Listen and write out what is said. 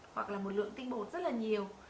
hoặc là một lượng tinh bột rất là nhiều